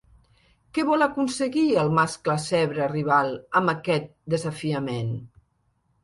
Què vol aconseguir el mascle zebra rival amb aquest desafiament?